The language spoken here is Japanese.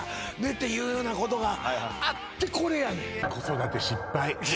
ていうようなことがあってこれやね